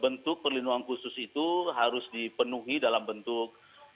bentuk perlindungan khusus itu harus dipenuhi dalam bentuk